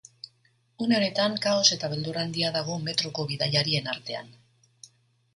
Une honetan kaos eta beldur handia dago metroko bidaiarien artean.